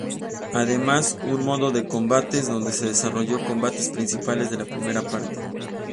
Además un modo de combates, donde se desarrolla combates principales de la primera parte.